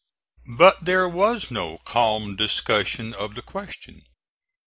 But there was no calm discussion of the question.